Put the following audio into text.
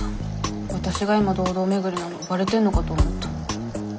わたしが今堂々巡りなのバレてんのかと思った。